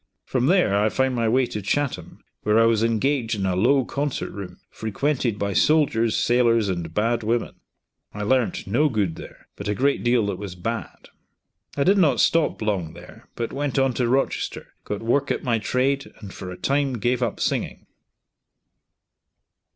From there I found my way to Chatham, where I was engaged in a low concert room, frequented by soldiers, sailors, and bad women. I learnt no good there, but a great deal that was bad. I did not stop long there but went on to Rochester, got work at my trade, and for a time gave up singing.